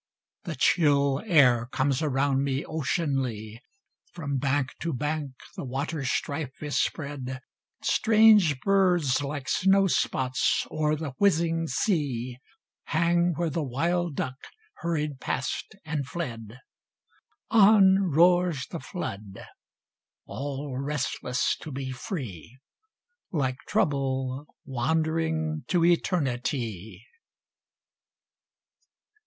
The chill air comes around me oceanly, From bank to bank the waterstrife is spread; Strange birds like snowspots oer the whizzing sea Hang where the wild duck hurried past and fled. On roars the flood, all restless to be free, Like Trouble wandering to Eternity.